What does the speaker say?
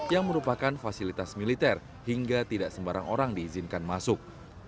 yang merupakan fasilitas militer hingga tidak sembarang orang diizinkan masuk